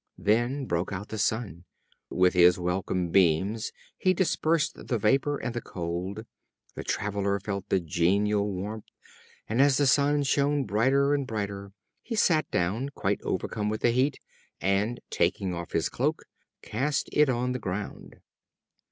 Then broke out the Sun. With his welcome beams he dispersed the vapor and the cold; the traveler felt the genial warmth, and as the Sun shone brighter and brighter, he sat down, quite overcome with the heat, and taking off his cloak, cast it on the ground.